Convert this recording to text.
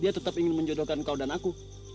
dia tetap ingin menjodohkan kau dan aku